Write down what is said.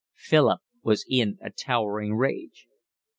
Philip was in a towering rage.